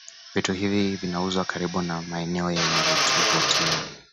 Vitu hivi vinauzwa karibu na maeneo yenye vivutio